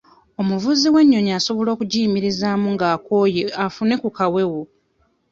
Omuvuzi w'ennyonyi asobola okugiyimirizaamu ng'akooye afune ku kawewo?